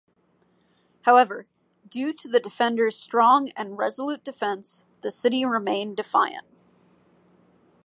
However, due to the defenders' strong and resolute defense, the city remain defiant.